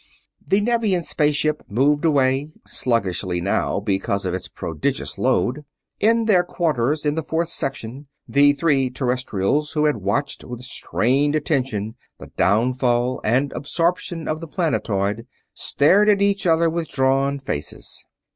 The Nevian space ship moved away, sluggishly now because of its prodigious load. In their quarters in the fourth section the three Terrestrials, who had watched with strained attention the downfall and absorption of the planetoid, stared at each other with drawn faces.